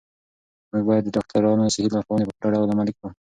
موږ باید د ډاکترانو صحي لارښوونې په پوره ډول عملي کړو.